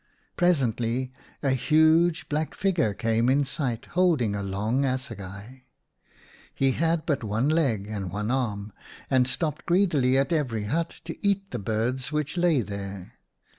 Presently a huge black figure came in sight, holding a long assegai. He had but one leg and one arm, and stopped greedily at every hut to eat the birds which lay there.